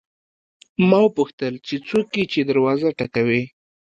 ما وپوښتل چې څوک یې چې دروازه ټکوي.